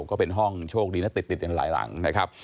ก็เป็นห้องโชคดีนะติดกันหลายหลังนะครับ